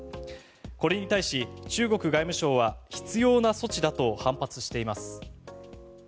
これに対し、中国外務省は必要な措置だと反発しています。